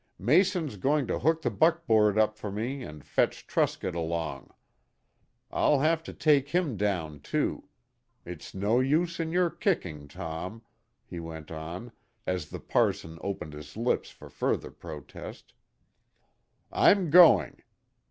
Mason's going to hook the buckboard up for me and fetch Truscott along. I'll have to take him down too. It's no use in your kicking, Tom," he went on, as the parson opened his lips for further protest, "I'm going."